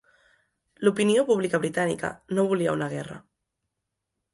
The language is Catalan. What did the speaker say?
L'opinió pública britànica no volia una guerra.